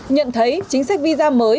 nhận thấy chính sách visa mới